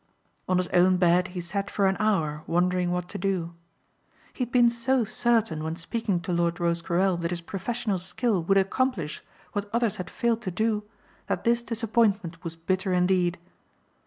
On his own bed he sat for an hour wondering what to do. He had been so certain when speaking to Lord Rosecarrel that his professional skill would accomplish what others had failed to do that this disappointment was bitter indeed.